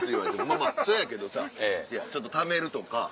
まぁまぁそやけどさちょっとためるとか。